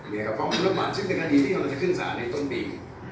เนี่ยก็ฟ้องคุณภาพบ้านซึ่งเป็นคดีที่จะขึ้นศาลในต้นปี